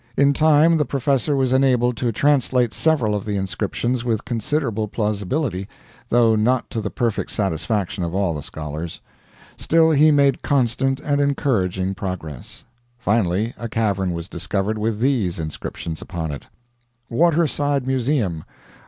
In time, the professor was enabled to translate several of the inscriptions with considerable plausibility, though not to the perfect satisfaction of all the scholars. Still, he made constant and encouraging progress. Finally a cavern was discovered with these inscriptions upon it: WATERSIDE MUSEUM.